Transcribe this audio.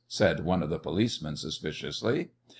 said one of the policemen suspiciously.